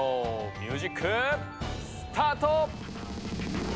ミュージックスタート！